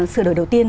sửa đổi đầu tiên